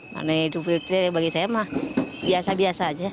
maknanya idul fitri bagi saya mah biasa biasa aja